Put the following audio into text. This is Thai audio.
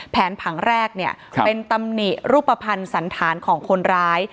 ผังแรกเนี่ยเป็นตำหนิรูปภัณฑ์สันธารของคนร้าย